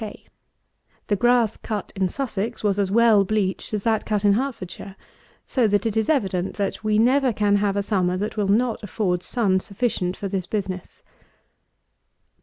_ K. The grass cut in Sussex was as well bleached as that cut in Hertfordshire; so that it is evident that we never can have a summer that will not afford sun sufficient for this business.